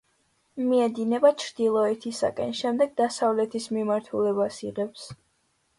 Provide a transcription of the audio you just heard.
მიედინება ჩრდილოეთისაკენ, შემდეგ დასავლეთის მიმართულებას იღებს.